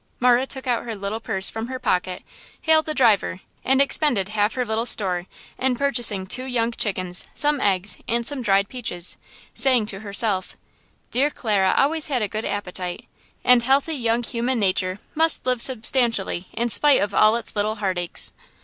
Marah took out her little purse from her pocket, hailed the driver and expended half her little store in purchasing two young chickens, some eggs and some dried peaches, saying to herself: "Dear Clara always had a good appetite, and healthy young human nature must live substantially in spite of all its little heart aches."